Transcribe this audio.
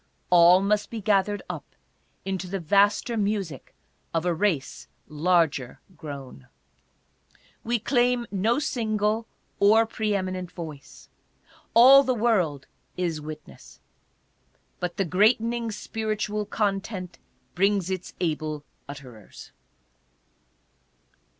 All must be gathered up into the vaster music of a race larger grown. We claim no single or pre eminent voice. All the world is witness. But the greatening spiritual content brings its able utterers.